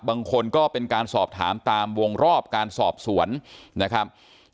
บางคนก็เป็นการสอบถามตามวงรอบการสอบสวนนะครับ